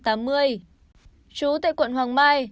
trú tại quận hoàng mai